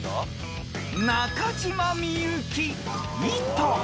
［中島みゆき］